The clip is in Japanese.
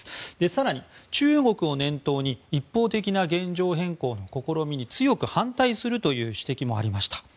更に中国を念頭に一方的な現状変更の試みに強く反対するという指摘もありました。